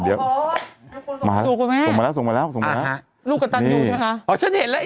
โยเปราะรูปครับค่ะส่งมาแล้วลูกกระตัดยูใช่ไหมล่ะ